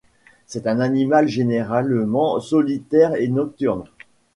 C'est un animal généralement solitaire et nocturne.